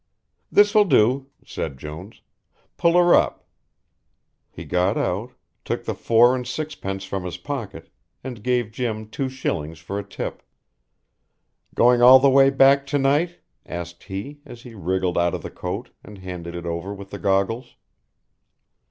"This will do," said Jones, "pull her up." He got out, took the four and sixpence from his pocket, and gave Jim two shillings for a tip. "Going all the way back to night?" asked he, as he wriggled out of the coat, and handed it over with the goggles.